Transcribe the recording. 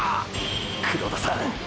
黒田さん！！